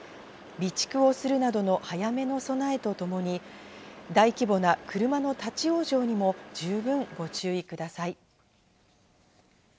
備蓄をするなどの早めの備えとともに、大規模な車の立ち往生にも十分ご注意ください。